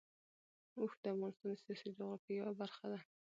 اوښ د افغانستان د سیاسي جغرافیه یوه برخه ده.